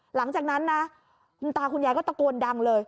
หลังจากนั้นนะคุณตาคุณยายก็ตะโกนดังเลย